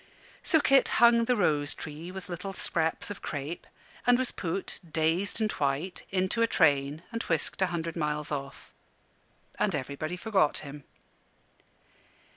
So Kit hung the rose tree with little scraps of crape, and was put, dazed and white, into a train and whisked a hundred miles off. And everybody forgot him.